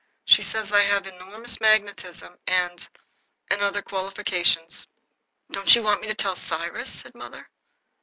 She says I have enormous magnetism and and other qualifications." "Don't you want me to tell Cyrus?" said mother.